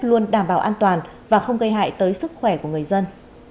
luôn đảm bảo an toàn và không gây hại tới sức khỏe của người dân